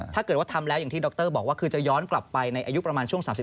ถ้าเกิดว่าทำแล้วอย่างที่ดรบอกว่าคือจะย้อนกลับไปในอายุประมาณช่วง๓๔